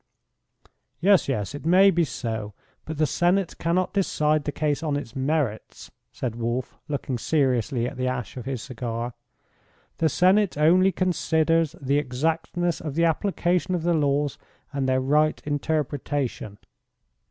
"Yes, yes; it may be so, but the Senate cannot decide the case on its merits," said Wolf, looking seriously at the ash of his cigar. "The Senate only considers the exactness of the application of the laws and their right interpretation."